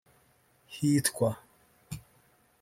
hitwa